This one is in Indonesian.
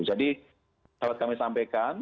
jadi dapat kami sampaikan